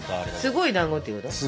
すごいだんごっていうこと？